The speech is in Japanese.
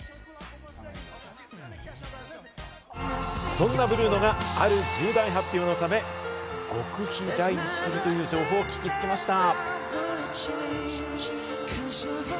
そんなブルーノがある重大発表のため極秘来日するという情報を聞きつけました。